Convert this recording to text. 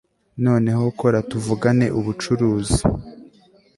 noneho kora tuvugane ubucuruzi